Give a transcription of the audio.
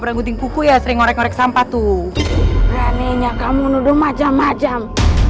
beragutin kuku ya sering ngorek sampah tuh anehnya kamu nuduh macam macam